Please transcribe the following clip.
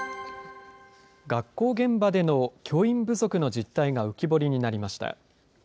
学校現場での教員不足の実態が浮き彫りになりました。